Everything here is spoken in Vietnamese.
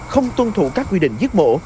không tuân thủ các quy định giết mổ